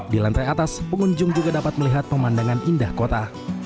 di lantai atas pengunjung juga dapat melihat pemandangan indah kota